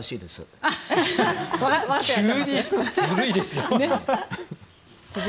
急に、ずるいですよ！